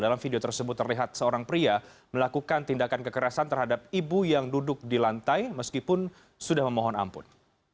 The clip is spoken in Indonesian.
dalam video tersebut terlihat seorang pria melakukan tindakan kekerasan terhadap ibu yang duduk di lantai meskipun sudah memohon ampun